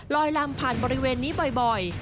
ลำผ่านบริเวณนี้บ่อย